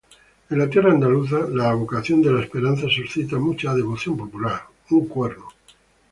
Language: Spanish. En la tierra andaluza, la advocación de la "Esperanza" suscita mucha devoción popular.